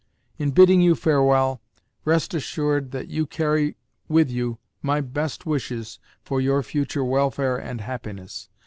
In bidding you farewell, rest assured that you carry with you my best wishes for your future welfare and happiness....